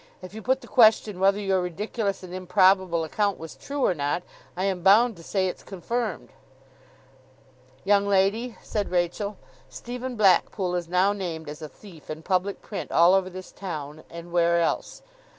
'If you put the question whether your ridiculous and improbable account was true or not, I am bound to say it's confirmed.' 'Young lady,' said Rachael, 'Stephen Blackpool is now named as a thief in public print all over this town, and where else!